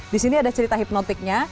di sini ada cerita hipnotiknya